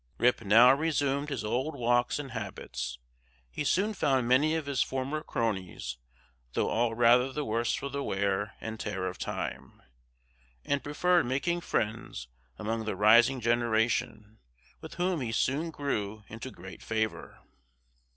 Rip now resumed his old walks and habits; he soon found many of his former cronies, though all rather the worse for the wear and tear of time; and preferred making friends among the rising generation, with whom he soon grew into great favor.